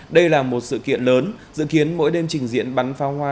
đây là một sự kiện lớn dự kiến mỗi đêm trình diễn bắn pháo hoa